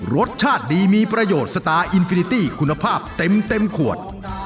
รสชาติดีมีประโยชน์สตาร์อินฟินิตี้คุณภาพเต็มขวด